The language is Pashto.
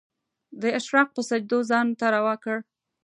د اشراق په سجدو ځان ته روا کړ